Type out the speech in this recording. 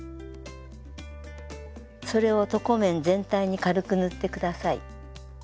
それを床面全体に軽く塗って下さい。